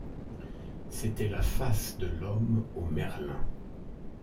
C’était la face de l’homme au merlin.